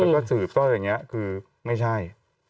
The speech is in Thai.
แล้วก็สืบก็อย่างนี้คือไม่ใช่